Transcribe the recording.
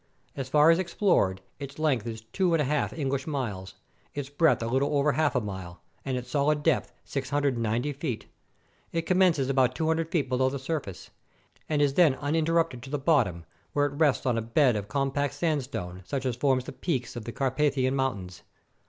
As far as explored, its length is two and a half English miles, its breadth a little over half a mile, and its solid depth 690 feet ! It commences about 200 feet below the surface, and is then uninter rupted to the bottom, where it rests on a bed of com pact sandstone, such as forms the peaks of the Car pathian Mountains.